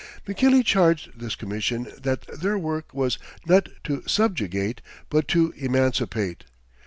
McKinley charged this Commission that their work was "not to subjugate, but to emancipate."